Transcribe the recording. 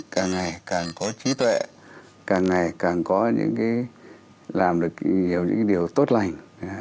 càng ngày càng có trí tuệ càng ngày càng có những cái làm được nhiều những điều tốt lành